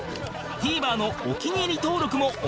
ＴＶｅｒ のお気に入り登録もお願いします！